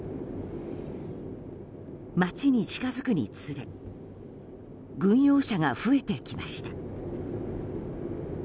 街に近づくにつれ軍用車が増えてきました。